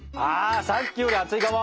さっきより熱いかも！